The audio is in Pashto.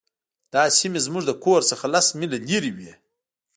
دا سیمې زموږ له کور څخه لس میله لرې وې